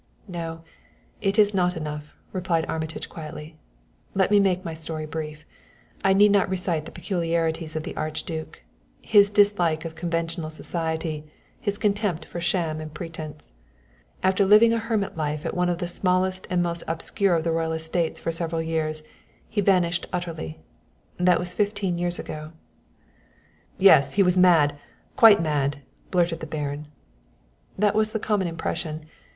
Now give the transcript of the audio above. "No, it is not enough," replied Armitage quietly. "Let me make my story brief. I need not recite the peculiarities of the Archduke his dislike of conventional society, his contempt for sham and pretense. After living a hermit life at one of the smallest and most obscure of the royal estates for several years, he vanished utterly. That was fifteen years ago." "Yes; he was mad quite mad," blurted the Baron. "That was the common impression.